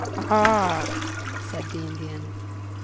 "Ugh!" said the Indian.